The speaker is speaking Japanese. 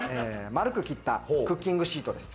丸く切ったクッキングシートです。